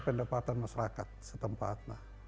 pendapatan masyarakat setempat